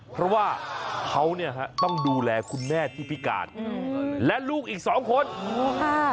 เพราะว่าเขาเนี่ยต้องดูแลคุณแม่ที่พิการและลูกอีก๒คน